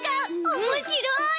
おもしろい！